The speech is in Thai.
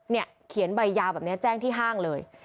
เขียนใบยาวแบบนี้แจ้งที่ห้างเลย